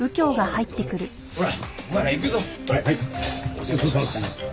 ごちそうさまです。